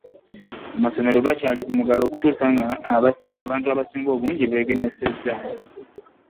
Amasomero gakyali ku muggalo okutuusa nga abantu abasinga beegemesezza.